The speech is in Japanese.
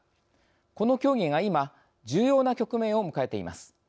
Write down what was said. この協議が今、重要な局面を迎えています。